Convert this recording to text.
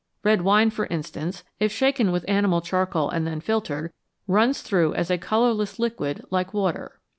Red wine, for instance, if shaken with animal charcoal and then filtered, runs through as a colourless liquid, like water.